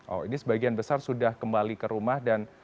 oh ini sebagian besar sudah kembali ke rumah dan